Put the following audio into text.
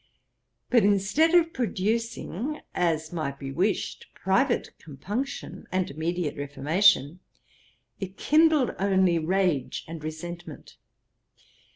But instead of producing, as might be wished, private compunction and immediate reformation, it kindled only rage and resentment.